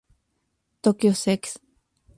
Tokyo, Sect.